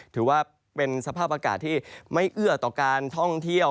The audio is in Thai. ถือว่าเป็นสภาพอากาศที่ไม่เอื้อต่อการท่องเที่ยว